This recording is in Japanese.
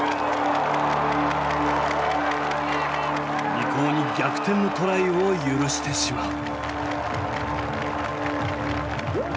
リコーに逆転のトライを許してしまう。